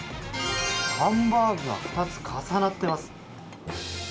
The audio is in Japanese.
ハンバーグが２つ重なってます。